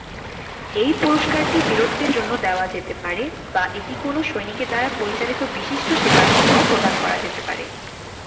এই পুরস্কারটি বীরত্বের জন্য দেওয়া যেতে পারে বা এটি কোনও সৈনিকের দ্বারা পরিচালিত বিশিষ্ট সেবার জন্যও প্রদান করা যেতে পারে।